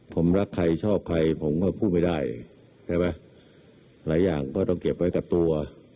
ผมรักใครชอบใครผมก็พูดไม่ได้ใช่ไหมหลายอย่างก็ต้องเก็บไว้กับตัว